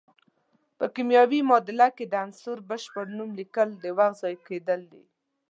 په کیمیاوي معادله کې د عنصر بشپړ نوم لیکل د وخت ضایع کیدل دي.